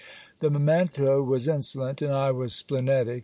The memento was insolent; and I was splenetic.